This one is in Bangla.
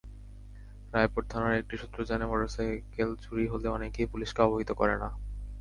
রায়পুর থানার একটি সূত্র জানায়, মোটরসাইকেল চুরি হলে অনেকেই পুলিশকে অবহিত করে না।